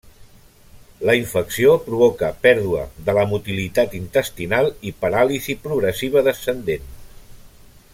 La infecció provoca pèrdua de la motilitat intestinal i paràlisi progressiva descendent.